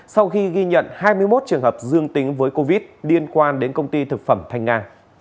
sau khi ghi nhận hai mươi một trường hợp dương tính với covid liên quan đến công ty thực phẩm thanh nga